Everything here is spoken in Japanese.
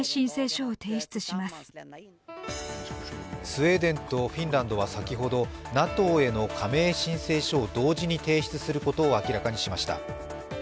スウェーデンとフィンランドは先ほどＮＡＴＯへの加盟申請書を同時に提出することを明らかにしました。